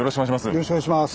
よろしくお願いします。